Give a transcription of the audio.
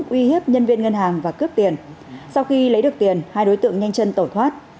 uy hiếp nhân viên ngân hàng và cướp tiền sau khi lấy được tiền hai đối tượng nhanh chân tẩu thoát